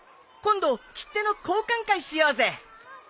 今度切手の交換会しようぜ。